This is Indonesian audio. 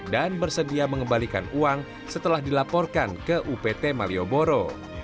dan bersedia mengembalikan uang setelah dilaporkan ke upt malioboro